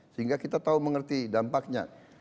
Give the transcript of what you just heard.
sehingga kita tahu mengerti dampaknya